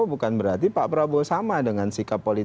bukan berarti pak prabowo sama dengan sikap politik